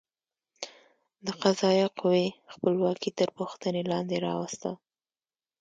د قضایه قوې خپلواکي تر پوښتنې لاندې راوسته.